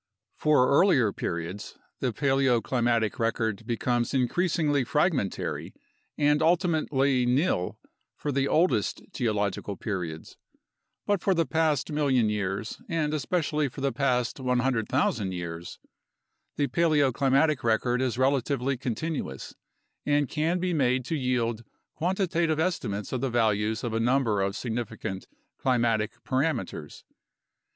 For earlier periods, the paleoclimatic record becomes increasingly fragmentary and ultimately nil for the oldest geological periods. But for the past million years, and especially for the past 100,000 years, the paleoclimatic record is relatively continuous and can be made to yield quantitative estimates of the values of a number of significant climatic parameters.